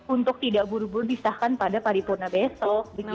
untuk tidak buru buru disahkan pada paripurna besok